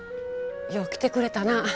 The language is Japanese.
よう来てくれたなぁ。